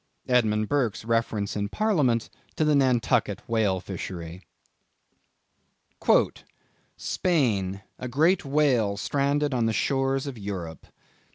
—Edmund Burke's reference in Parliament to the Nantucket Whale Fishery. "Spain—a great whale stranded on the shores of Europe."